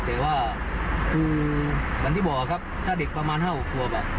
แต่ว่าคือเหมือนที่บอกครับถ้าเด็กประมาณ๕๖ขวบ